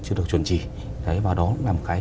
chưa được chuẩn trì và đó là một cái